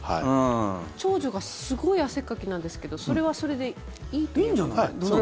長女がすごい汗っかきなんですけどそれはそれでいいということなんですか？